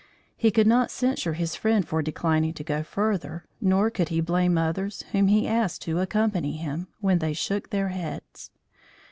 He could not censure his friend for declining to go further, nor could he blame others whom he asked to accompany him, when they shook their heads.